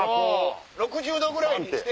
６０度ぐらいにして。